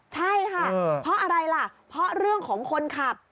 ใช่ค่ะเพราะอะไรล่ะเพราะเรื่องของคนขับ